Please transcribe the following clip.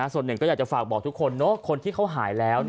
ส่วนหนึ่งก็อยากจะฝากบอกทุกคนคนที่เขาหายแล้ว